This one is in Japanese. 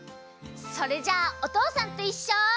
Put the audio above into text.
それじゃあ「おとうさんといっしょ」。